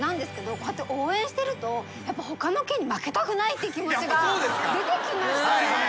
こうやって応援してると他の県に負けたくないって気持ちが出てきましたね。